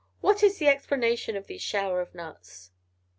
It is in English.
What is the explanation of these showers of nuts?"